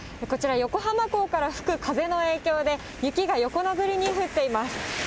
こちら、横浜港から吹く風の影響で、雪が横殴りに降っています。